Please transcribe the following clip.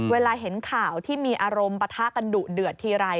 เวลาเห็นข่าวที่มีอารมณ์ปะทะกันดุเดือดทีไร